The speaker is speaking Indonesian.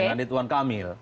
dengan ridwan kamil